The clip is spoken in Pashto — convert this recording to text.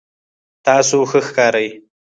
تاسو ښه ښکارئ